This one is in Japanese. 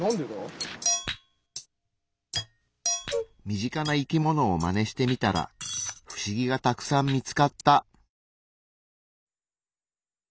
身近な生きものをマネしてみたら不思議がたくさん見つかった。